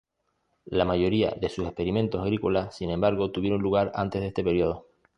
La mayoría de sus experimentos agrícolas, sin embargo, tuvieron lugar antes de este periodo.